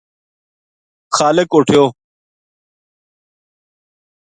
خالق اُٹھیو